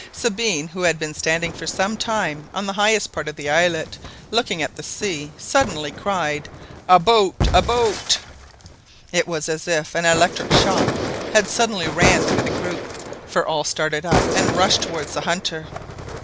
Sabine, who had been standing for some time on the highest part of the islet looking at the sea, suddenly cried— "A boat! a boat!" It was as if an electric shock had suddenly ran through the group, for all started up and rushed towards the hunter.